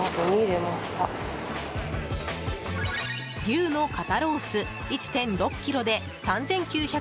牛の肩ロース１．６ｋｇで３９７２円。